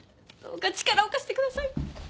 どうか力を貸してください。